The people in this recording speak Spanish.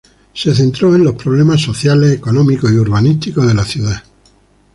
Se centró en los problemas sociales, económicos y urbanísticos de la ciudad.